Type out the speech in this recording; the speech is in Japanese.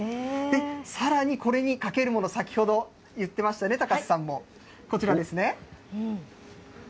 さらにこれにかけるもの、先ほど言ってましたね、高瀬さんも、こちらですね。